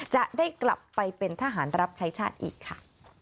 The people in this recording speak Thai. จะได้กลับไปเป็นทหารรับใช้ชาติอีกค่ะ